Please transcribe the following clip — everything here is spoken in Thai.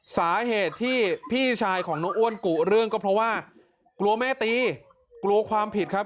สาเหตุที่พี่ชายของน้องอ้วนกุเรื่องก็เพราะว่ากลัวแม่ตีกลัวความผิดครับ